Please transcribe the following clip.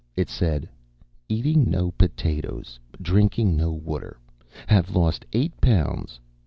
It said: Eating no potatoes, drinking no water. Have lost eight pounds.